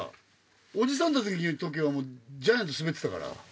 おじさんたちの時はジャイアント滑ってたから。